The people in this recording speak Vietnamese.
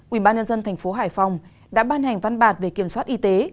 ubnd tp hải phòng đã ban hành văn bản về kiểm soát y tế